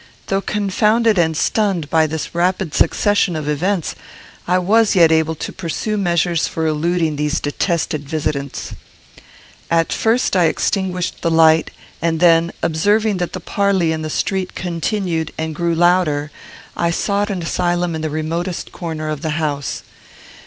Though confounded and stunned by this rapid succession of events, I was yet able to pursue measures for eluding these detested visitants. I first extinguished the light, and then, observing that the parley in the street continued and grew louder, I sought an asylum in the remotest corner of the house.